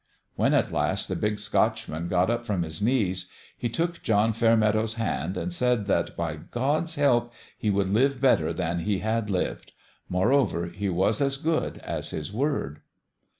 When, at last, the Big Scotchman got up from his knees, he took John Fairmeadow's hand, and said that, by God's help, he would live better than he had lived. Moreover, he was as good as his word.